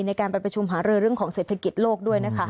ในการไปประชุมหารือเรื่องของเศรษฐกิจโลกด้วยนะคะ